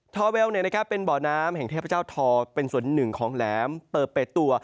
อเวลเป็นบ่อน้ำแห่งเทพเจ้าทอเป็นส่วนหนึ่งของแหลมเปิดตัว